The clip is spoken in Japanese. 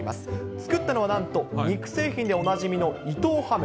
作ったのはなんと肉製品でおなじみの伊藤ハム。